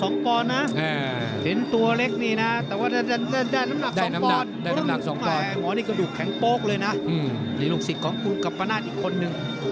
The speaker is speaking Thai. แข็งโป๊กเลยนะหรือลูกศิษย์ของคุณกับประนาทอีกคนนึง